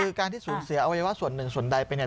คือการที่สูญเสียอวัยวะส่วนหนึ่งส่วนใดไปเนี่ย